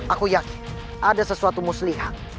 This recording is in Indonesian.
aku yakin ada sesuatu muslihat